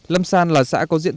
lâm san là xã cô diện